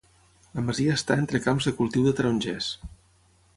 La masia està entre camps de cultiu de tarongers.